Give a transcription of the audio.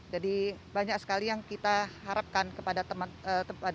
jadi banyak sekali yang kita harapkan kepada seluruh siswa siswi yang ada di harapan ini